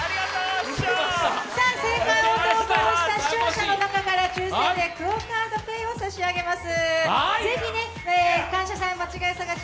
正解した視聴者の中から抽選でＱＵＯカードＰａｙを差し上げます。